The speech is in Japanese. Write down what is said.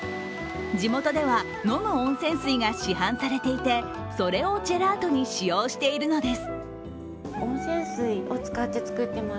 地元では飲む温泉水が市販されていてそれをジェラートに使用しているのです。